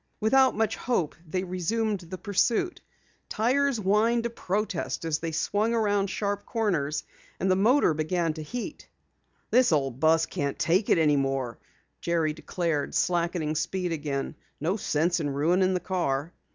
Without much hope, they resumed the pursuit. Tires whined a protest as they swung around sharp corners, and the motor began to heat. "This old bus can't take it any more," Jerry declared, slackening speed again. "No sense in ruining the car."